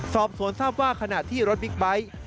สอบสวนทราบว่าขณะที่รถบิ๊กไบท์